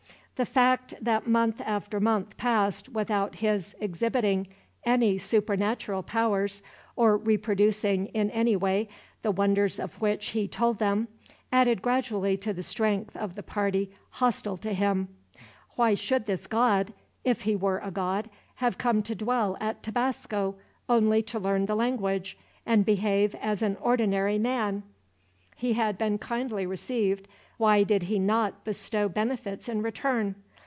The fact that month after month passed without his exhibiting any supernatural powers, or reproducing, in any way, the wonders of which he told them, added gradually to the strength of the party hostile to him. Why should this god, if he were a god, have come to dwell at Tabasco only to learn the language, and behave as an ordinary man? He had been kindly received why did he not bestow benefits in return?